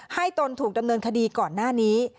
ตนถูกดำเนินคดีก่อนหน้านี้